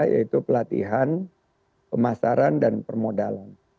yaitu pelatihan pemasaran dan permodalan